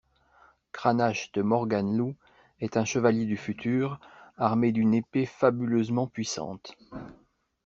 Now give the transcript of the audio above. Cranach de Morganloup est un chevalier du futur, armé d'une épée fabuleusement puissante.